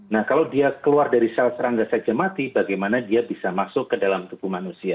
nah kalau dia keluar dari sel serangga saja mati bagaimana dia bisa masuk ke dalam tubuh manusia